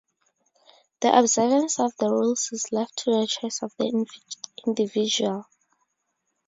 The observance of the rules is left to the choice of the individual.